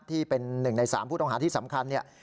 ที่เป็นหนึ่งใน๓ผู้ต้องหาที่สำคัญ